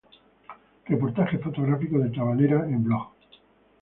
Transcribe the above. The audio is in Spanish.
Reportaje fotográfico de Tabanera en Blog.